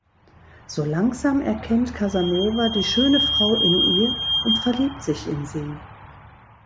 So langsam erkennt Casanova die schöne Frau in ihr und verliebt sich in sie.